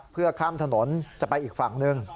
เพื่อข้ามถนนจะไปอีกฝั่งหนึ่ง